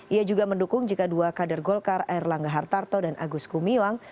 ia juga mendukung jika dua kader golkar erlangga hartarto dan agus gumiwang